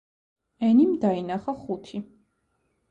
ენიმ დაინახა ხუთი.